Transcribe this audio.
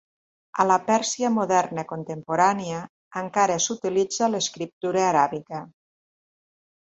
A la Pèrsia moderna contemporània, encara s'utilitza l'escriptura aràbiga.